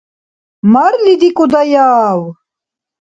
Марли дикӀудаяв?!